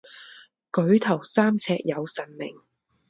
举头三尺有神明。